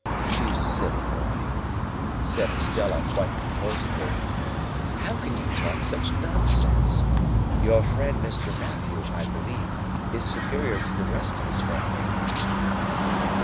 "You silly boy," said Estella, quite composedly, "how can you talk such nonsense? Your friend Mr. Matthew, I believe, is superior to the rest of his family?"